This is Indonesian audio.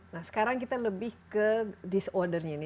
nah sekarang kita lebih ke disordernya ini